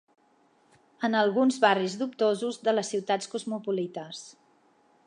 ...en alguns barris dubtosos de les ciutats cosmopolites.